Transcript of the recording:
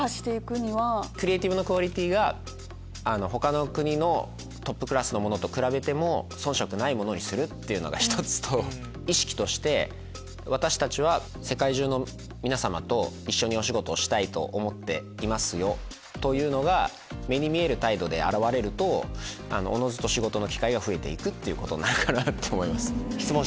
クリエイティブのクオリティーが他の国のトップクラスのものと比べても遜色ないものにするっていうのが１つと意識として「私たちは世界中の皆さまと一緒にお仕事をしたいと思っていますよ」というのが目に見える態度で表れるとおのずと仕事の機会が増えていくってことになるかなと思います。